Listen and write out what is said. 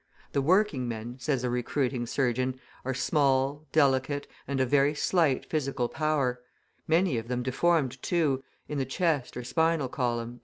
"The working men," says a recruiting surgeon, "are small, delicate, and of very slight physical power; many of them deformed, too, in the chest or spinal column."